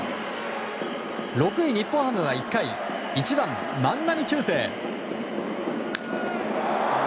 ６位、日本ハムは１回１番、万波中正。